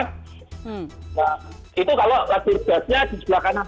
nah itu kalau lajur gasnya di sebelah kanan